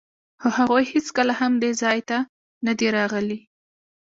خو هغوی هېڅکله هم دې ځای ته نه دي راغلي.